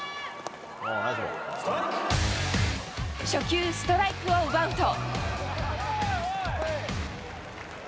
初球、ストライクを奪うと。